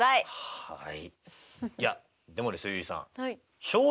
はい。